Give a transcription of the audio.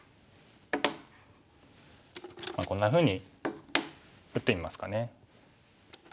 こんなふうに打ってみますかね。